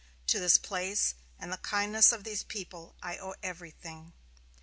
To this place, and the kindness of these people, I owe everything.